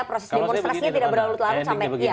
proses demokrasinya tidak berlalu telarut sampai